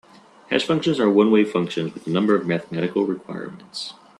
Hash functions are one-way functions with a number of mathematical requirements.